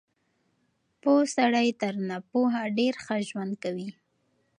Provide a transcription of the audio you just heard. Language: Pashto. پوه سړی تر ناپوهه ډېر ښه ژوند کوي.